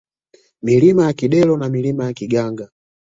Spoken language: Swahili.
Milima ya Kidero na Milima ya Kiganga